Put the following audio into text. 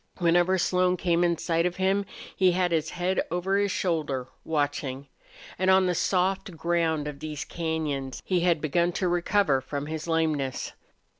Whenever Slone came in sight of him he had his head over his shoulder, watching. And on the soft ground of these cañons he had begun to recover from his lameness.